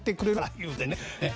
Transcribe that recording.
言うてね。